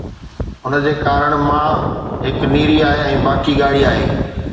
هن جي ڪارن مان هڪ نيري آهي ۽ باقي ڳاڙهي آهي